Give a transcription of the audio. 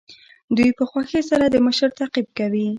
دوی په خوښۍ سره د مشر تعقیب کوي.